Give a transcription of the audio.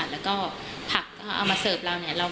แล้วก็ผักเอามาเสิร์ฟเรา